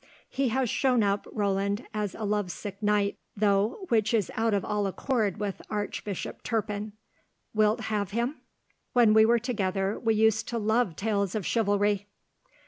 He has shown up Roland as a love sick knight, though, which is out of all accord with Archbishop Turpin. Wilt have him?" "When we were together, we used to love tales of chivalry."